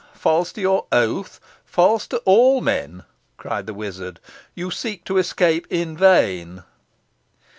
false to your oath! false to all men!" cried the wizard. "You seek to escape in vain!"